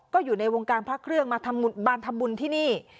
ก็อยู่ในวงการพระเครื่องมาทำบานทำบุญที่นี่